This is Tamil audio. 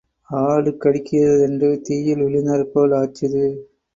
ஆடு கடிக்கிறதென்று தீயில் விழுந்தாற் போல் ஆச்சுது.